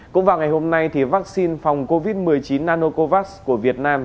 cũng vào ngày hôm nay vaccine phòng covid một mươi chín nanocovax của việt nam